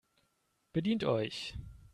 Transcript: Bedient euch!